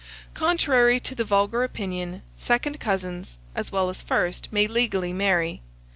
Contrary to the vulgar opinion, second cousins, as well as first, may legally marry.